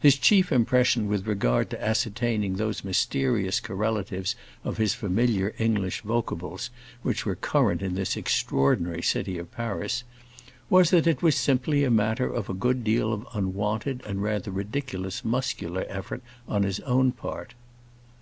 His chief impression with regard to ascertaining those mysterious correlatives of his familiar English vocables which were current in this extraordinary city of Paris was, that it was simply a matter of a good deal of unwonted and rather ridiculous muscular effort on his own part.